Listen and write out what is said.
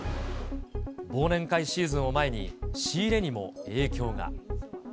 忘年会シーズンを前に、仕入れにも影響が。